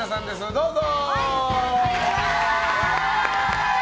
どうぞ！